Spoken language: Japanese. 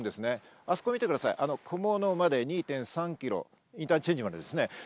あそこを見てください、菰野まで２．３キロ、インターチェンジまでですね。